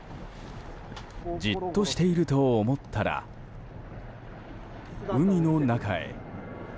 じっとしていると思ったら海の中へ。